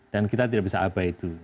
dan kita tidak bisa abaikan itu